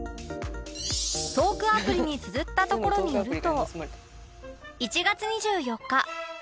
トークアプリにつづったところによると